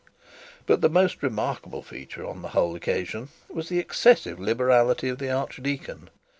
But the most remarkable feature in the whole occasion was the excessive liberality of the archdeacon.